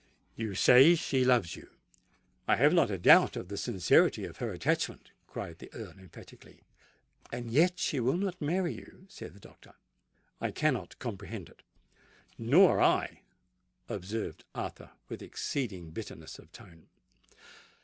You say she loves you——" "I have not a doubt of the sincerity of her attachment!" cried the Earl emphatically. "And yet she will not marry you?" said the doctor. "I cannot comprehend it." "Nor I," observed Arthur, with exceeding bitterness of tone.